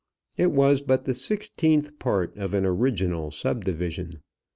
It was but the sixteenth part of an original sub division.